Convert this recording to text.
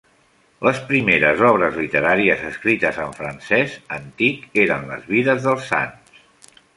Les primeres obres literàries escrites en francès antic eren les vides dels sants.